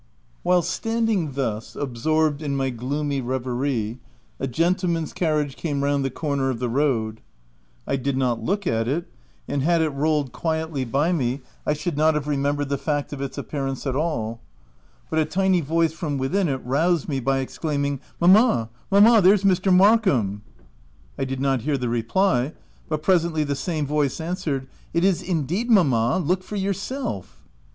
While standing thus, absorbed in my gloomy reverie, a gentleman's carriage came round the corner of the road. I did not look at it ; and had it rolled quietly by me, I should not have remembered the fact of its appearance at all ; but a tiny voice from within it roused me by exclaiming —" Mamma, mamma, here's Mr. Markham !" I did not hear the reply, but presently the same voice answered —" It is indeed, mamma — look for yourself."